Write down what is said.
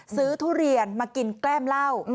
ทุเรียนมากินแกล้มเหล้า